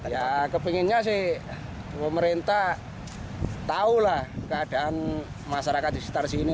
ya kepinginnya si pemerintah tahu lah keadaan masyarakat di sekitar sini